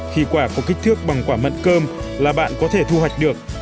khi quả có kích thước bằng quả mận cơm là bạn có thể thu hoạch được